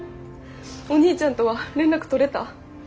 お兄ちゃんとは連絡取れた？